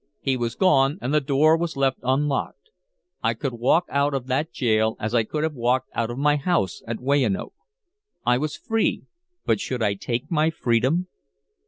He was gone, and the door was left unlocked. I could walk out of that gaol as I could have walked out of my house at Weyanoke. I was free, but should I take my freedom?